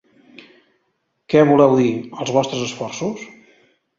Què voleu dir, els vostres esforços?